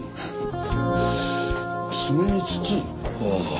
ああ。